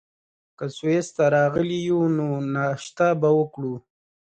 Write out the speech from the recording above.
که سویس ته راغلي یو، نو ناشته به وکړو.